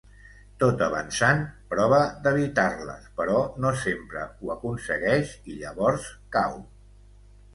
Tot avançant, prova d’evitar-les, però no sempre ho aconsegueix i, llavors, cau.